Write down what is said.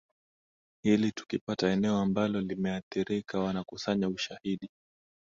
hili tukipata eneo ambalo limeathirika wanakusanya Ushahidi